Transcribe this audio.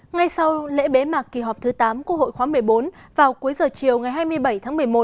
ngay sau lễ bế mạc kỳ họp thứ tám của hội khóa một mươi bốn vào cuối giờ chiều ngày hai mươi bảy tháng một mươi một